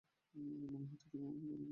মনে হচ্ছে, তুমি আমাকে আমার থেকেও বেশি জানো।